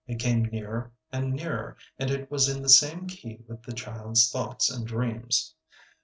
It came nearer and nearer, and it was in the same key with the child's thoughts and dreams.